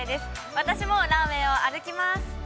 私もランウエイを歩きます。